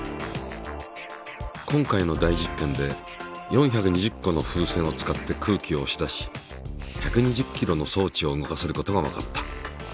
今回の大実験で４２０個の風船を使って空気をおし出し１２０ｋｇの装置を動かせることがわかった。